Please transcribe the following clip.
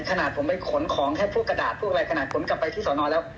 ขนาดผมไปขนของแค่พวกกระดาษพวกอะไรขนาดผมกลับไปที่สอนอนแล้ว